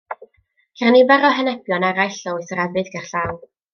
Ceir nifer o henebion eraill o Oes yr Efydd gerllaw.